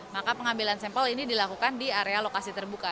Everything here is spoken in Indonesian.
maka pengambilan sampel ini dilakukan di area lokasi terbuka